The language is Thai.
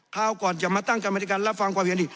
คราวก่อนจะมาตั้งการบริการรับฟังกว่าเวียนดี